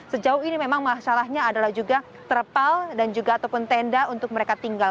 sejauh ini memang masalahnya adalah juga terpal dan juga ataupun tenda untuk mereka tinggal